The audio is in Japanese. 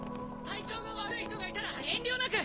体調が悪い人がいたら遠慮なく。